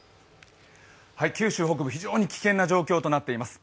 九州北部非常に危険な状況となっています。